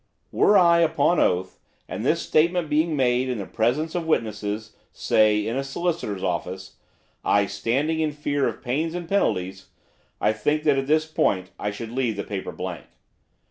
Were I upon oath, and this statement being made, in the presence of witnesses, say, in a solicitor's office, I standing in fear of pains and penalties, I think that, at this point, I should leave the paper blank.